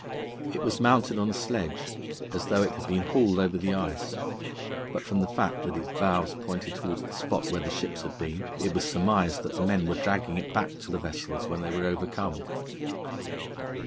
It was mounted on a sledge, as though it had been hauled over the ice; but from the fact that its bows pointed towards the spot where the ships had been, it was surmised that the men were dragging it back to the vessels when they were overcome.